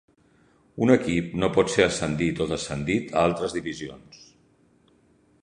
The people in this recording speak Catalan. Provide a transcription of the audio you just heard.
Un equip no pot ser ascendit o descendit a altres divisions.